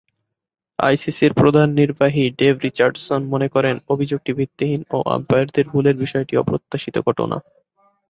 আইসিসি’র প্রধান নির্বাহী Dave Richardson মনে করেন যে, অভিযোগটি ভিত্তিহীন ও আম্পায়ারদের ভুলের বিষয়টি অপ্রত্যাশিত ঘটনা।